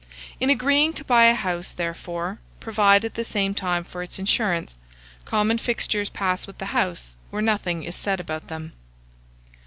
In agreeing to buy a house, therefore, provide at the same time for its insurance. Common fixtures pass with the house, where nothing is said about them.